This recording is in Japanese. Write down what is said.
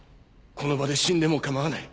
この場で死んでも構わない！